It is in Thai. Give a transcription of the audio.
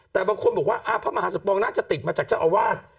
แต่บางคนบอกว่าพระมหาสมปองน่าจะติดมาจากเจ้าอาวาส